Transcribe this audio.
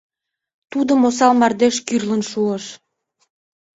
Тудым осал мардеж кӱрлын шуыш.